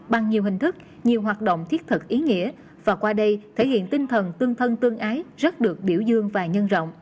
bằng nhiều hình thức nhiều hoạt động thiết thực ý nghĩa và qua đây thể hiện tinh thần tương thân tương ái rất được biểu dương và nhân rộng